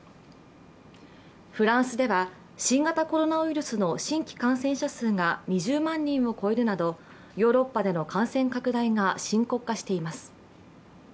フランスでは新型コロナウイルスの新規感染者数が２０万人を超えるなどヨーロッパでの感染拡大が深刻化しています。